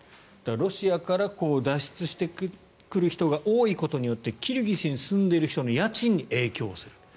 ロシアから脱出してくる人が多いことによってキルギスに住んでいる人の家賃に影響する。